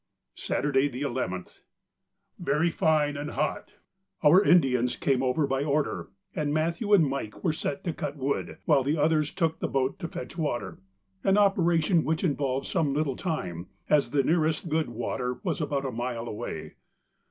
Saturday, the 11th.—Very fine and hot. Our Indians came over by order, and Matthew and Mike were set to cut wood, while the others took the boat to fetch water, an operation which involved some little time as the nearest good water was about a mile away.